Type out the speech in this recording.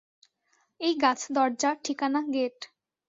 এই গাছ, দরজা, ঠিকানা, গেট।